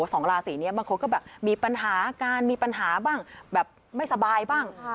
สองราศีนี้บางคนก็แบบมีปัญหาการมีปัญหาบ้างแบบไม่สบายบ้าง